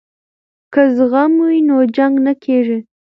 که زغم وي نو جنګ نه کیږي.